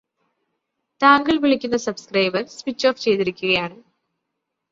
താങ്കൾ വിളിക്കുന്ന subscriber switch off ചെയ്തിരിക്കുയാണ്